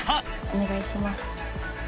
お願いします。